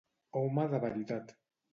Home de veritat.